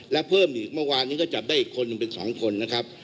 และเพิ่มอีกเมื่อวานนี้ก็จับได้อีกคนหนึ่งเป็น๒คนนะครับ